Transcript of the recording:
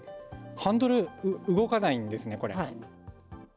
ハンドル動かないんですね、これ。